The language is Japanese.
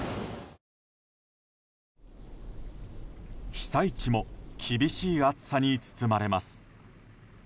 被災地も厳しい暑さに包まれます。